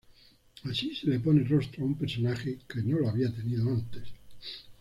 Así se le pone rostro a un personaje que no lo había tenido antes.